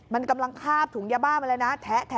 มันกำลังคาบถุงยาบ้ามาเลยนะ